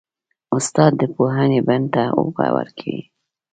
استاد د پوهې بڼ ته اوبه ورکوي.